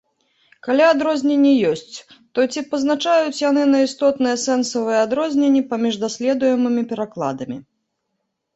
Калі адрозненні ёсць, то ці пазначаюць яны на істотныя сэнсавыя адрозненні паміж даследуемымі перакладамі?